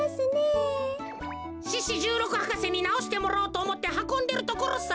獅子じゅうろく博士になおしてもらおうとおもってはこんでるところさ。